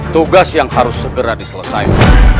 tugas yang harus segera diselesaikan